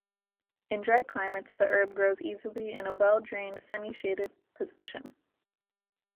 In dry climates the herb grows easily in a well-drained, semi-shaded position.